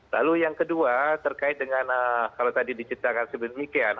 lalu yang kedua terkait dengan kalau tadi diciptakan sedemikian